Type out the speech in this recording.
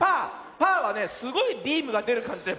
パーはねすごいビームがでるかんじだよ。